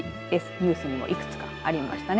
ニュースでもいくつかありましたね。